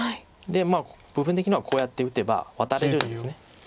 で部分的にはこうやって打てばワタれるんです。